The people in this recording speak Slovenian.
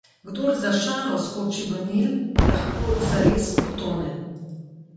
Kdor za šalo skoči v Nil, lahko zares utone.